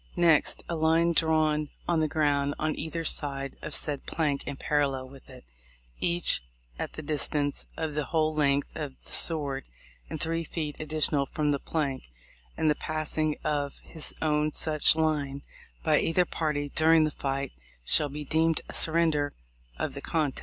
Next, a line drawn on the ground on either side of said plank and parallel with it, each at the distance of the whole length of the sword and three feet additional from the plank; and the passing of his own such line by either party during the fight shall be deemed a surrender of the contest.